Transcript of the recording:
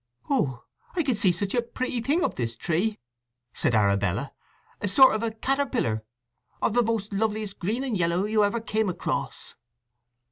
"Oh, I can see such a pretty thing up this tree," said Arabella. "A sort of a—caterpillar, of the most loveliest green and yellow you ever came across!"